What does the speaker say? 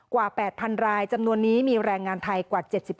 กว่า๘๐๐รายจำนวนนี้มีแรงงานไทยกว่า๗๕